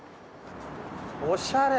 おしゃれ。